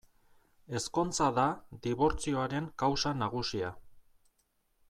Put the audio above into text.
Ezkontza da dibortzioaren kausa nagusia.